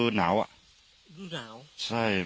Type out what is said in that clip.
วันนี้มากขออะไรสิ